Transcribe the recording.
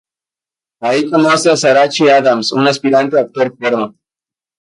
Ahí conoce a Zachary Adams, un aspirante a actor porno.